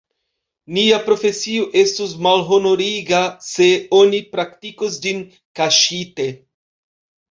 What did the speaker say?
Nia profesio estus malhonoriga, se oni praktikus ĝin kaŝite.